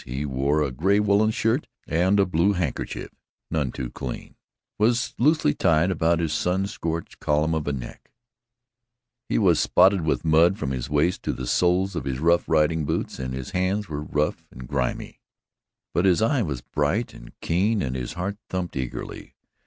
He wore a gray woollen shirt, and a blue handkerchief none too clean was loosely tied about his sun scorched column of a throat; he was spotted with mud from his waist to the soles of his rough riding boots and his hands were rough and grimy. But his eye was bright and keen and his heart thumped eagerly.